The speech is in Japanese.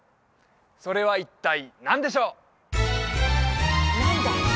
それは一体何でしょう？